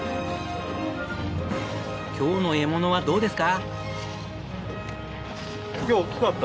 今日の獲物はどうですか？